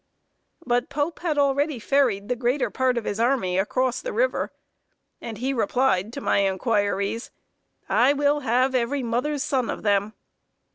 But Pope had already ferried the greater part of his army across the river, and he replied to my inquiries: "I will have every mother's son of them!"